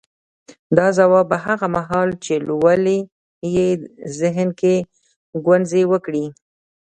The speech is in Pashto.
دا ځواب به هغه مهال چې لولئ يې ذهن کې غځونې وکړي.